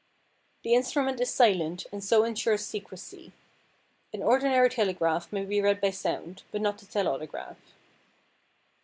The instrument is silent and so insures secrecy. An ordinary telegraph may be read by sound; but not the telautograph.